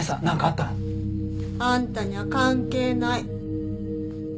あんたには関係ない。